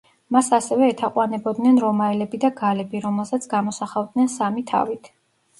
მას ასევე ეთაყვანებოდნენ რომაელები და გალები, რომელსაც გამოსახავდნენ სამი თავით.